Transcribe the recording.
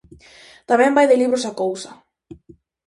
Tamén vai de libros a cousa.